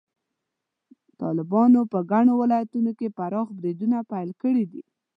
طالبانو په ګڼو ولایتونو کې پراخ بریدونه پیل کړي دي.